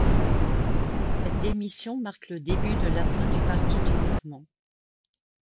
Cette démission marque le début de la fin du parti du mouvement.